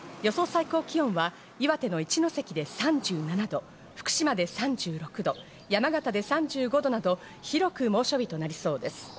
最高気温は岩手の一関で３７度、福島で３６度、山形で３５度など、広く猛暑日となりそうです。